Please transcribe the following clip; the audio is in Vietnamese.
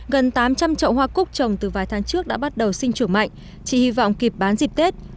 gần tám trăm linh trậu hoa cúc trồng từ vài tháng trước đã bắt đầu sinh trưởng mạnh chỉ hy vọng kịp bán dịp tết